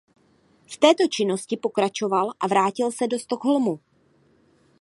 V této činnosti pokračoval a vrátil se do Stockholmu.